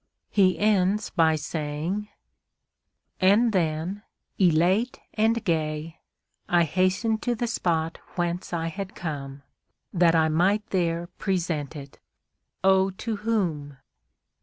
He ends by saying: And then, elate and gay, I hastened to the spot whence I had come, That I might there present it!—Oh! to whom?